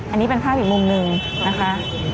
อันนี้เป็นภาพอีกมุมหนึ่งนะคะ